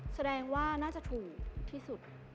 แสดงว่าน่าจะถูกที่สุด